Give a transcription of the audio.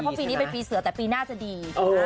เพราะปีนี้เป็นปีเสือแต่ปีหน้าจะดี